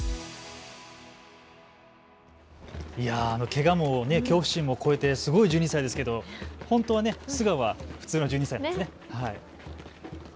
けがも恐怖心も越えてすごい１２歳ですけれど本当は素顔は普通の１２歳ですね。